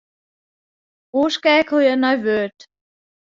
Oerskeakelje nei Word.